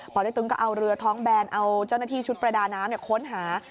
เต๊กตึงก็เอาเรือท้องแบนเอาเจ้าหน้าที่ชุดประดาน้ำค้นหา